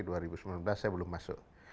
saya belum masuk